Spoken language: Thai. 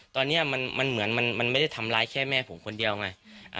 ตอนนี้มันเหมือนมันไม่ได้ทำร้ายแค่แม่ผมคนเดียวไง